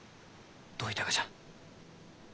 どういたがじゃ？